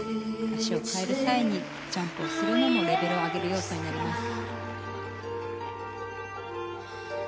足を換える際にジャンプをするのもレベルを上げる要素になります。